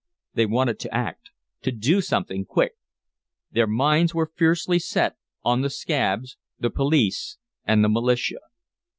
They wanted to act, to do something quick. Their minds were fiercely set on the "scabs," the police and the militia.